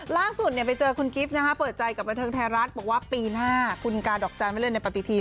ล่าสุดเนี้ยไปเจอคุณกิฟต์นะฮะเปิดใจกับเมืองเทิงไทยรัฐบอกว่าปีหน้าคุณกาดอกจานไว้เลยในปฏิทิน